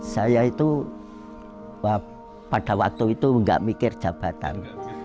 saya itu pada waktu itu gak mikir jabatan